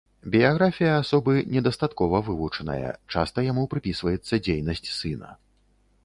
Біяграфія асобы недастаткова вывучаная, часта яму прыпісваецца дзейнасць сына.